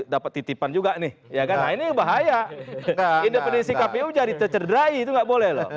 dapat titipan juga nih ya kan nah ini bahaya independensi kpu jadi tercederai itu nggak boleh loh